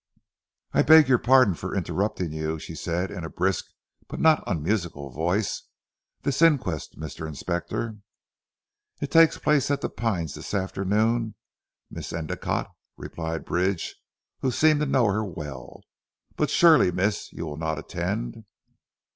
"I beg your pardon for interrupting you," she said in a brisk but not unmusical voice, "this inquest Mr. Inspector?" "It takes place at 'The Pines' this afternoon Miss Endicotte," replied Bridge who seemed to know her well. "But surely Miss you will not attend."